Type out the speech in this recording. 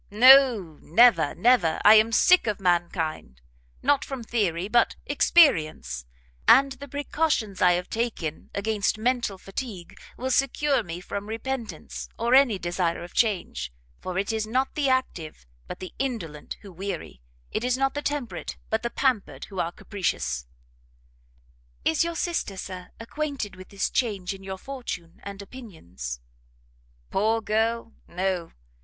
"No, never, never! I am sick of mankind, not from theory, but experience; and the precautions I have taken against mental fatigue, will secure me from repentance, or any desire of change; for it is not the active, but the indolent who weary; it is not the temperate, but the pampered who are capricious." "Is your sister, Sir, acquainted with this change in your fortune and opinions?" "Poor girl, no!